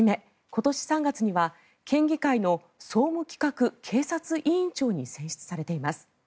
今年３月には県議会の総務企画警察委員長に選出されています。